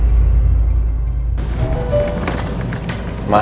aku mau ke rumah